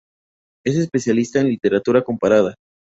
Es especialista en literatura comparada.